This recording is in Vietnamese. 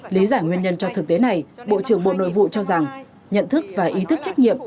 lý giải nguyên nhân cho thực tế này bộ trưởng bộ nội vụ cho rằng nhận thức và ý thức trách nhiệm